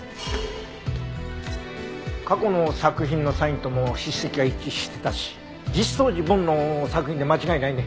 過去の作品のサインとも筆跡が一致してたし実相寺梵の作品で間違いないね。